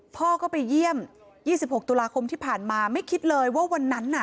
พ่อก็ไปเยี่ยมยี่สิบหกตุลาคมที่ผ่านมาว่าวันนั้นน่ะ